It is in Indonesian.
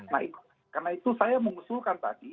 nah itu karena itu saya mengusulkan tadi